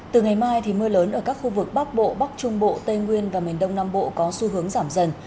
từ ngày mai mưa lớn ở các khu vực bắc bộ bắc trung bộ tây nguyên và miền đông nam bộ có xu hướng giảm dần